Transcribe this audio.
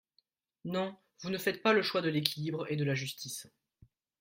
Non, vous ne faites pas le choix de l’équilibre et de la justice.